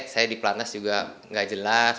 saya di pelatnas juga gak jelas